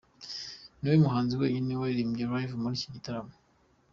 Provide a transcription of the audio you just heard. Niwe muhanzi wenyine waririmbye live muri iki gitaramo.